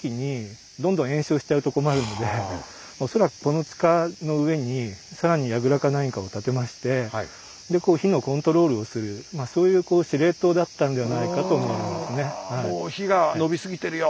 恐らくこの塚の上に更にやぐらか何かを建てましてで火のコントロールをするそういう司令塔だったんではないかと思われますね。